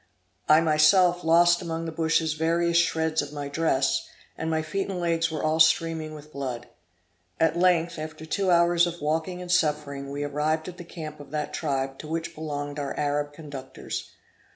I myself lost among the bushes various shreds of my dress, and my feet and legs were all streaming with blood. At length, after two long hours of walking and suffering, we arrived at the camp of that tribe to which belonged our Arab conductors.